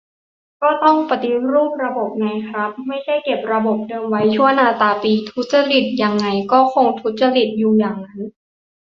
ก็ต้องปฏิรูประบบไงครับ ไม่ใช่เก็บระบบเดิมไว้ชั่วนาตาปี ทุจริตยังไงก็คงทุจริตอยู่อย่างนั้น